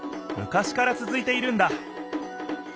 昔から続いているんだ。